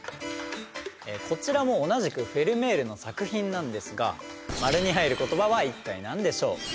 こちらも同じくフェルメールの作品なんですが○に入る言葉は一体何でしょう。